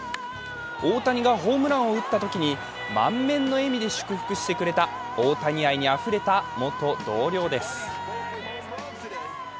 大谷がホームランを打ったときに満面の笑みで祝福してくれた大谷愛にあふれた元同僚です。